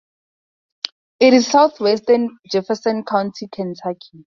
It is in southwest Jefferson County, Kentucky.